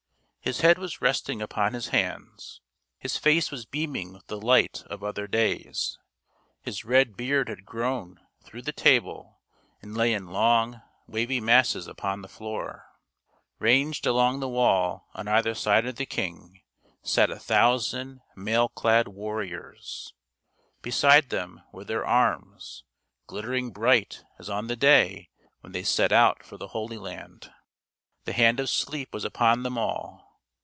His head was resting upon his hands ; his face was beaming with the light of other days; his red beard had grown through the table and lay in long, wavy masses upon the floor. Ranged along the wall on either side of the king THIRTY MORE FAM. STO. — 9 130 THIRTY MORE FAMOUS STORIES sat a thousand mail clad warriors. Beside them were their arms, glittering bright as on the day when they set out for the Holy Land. The hand of sleep was upon them all.